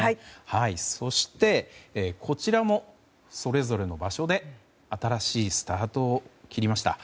そして、こちらもそれぞれの場所で新しいスタートを切りました。